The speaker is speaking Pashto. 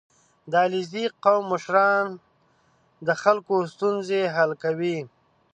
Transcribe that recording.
• د علیزي قوم مشران د خلکو ستونزې حل کوي.